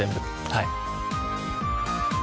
はい。